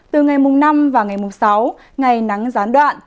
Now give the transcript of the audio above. từ ngày mùng năm và ngày mùng sáu ngày nắng gián đoạn